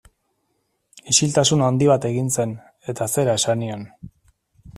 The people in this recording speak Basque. Isiltasun handi bat egin zen eta zera esan nion.